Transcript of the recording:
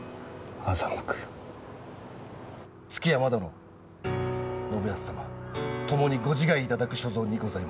築山殿信康様ともにご自害いただく所存にございます。